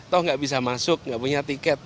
tau gak bisa masuk gak punya tiket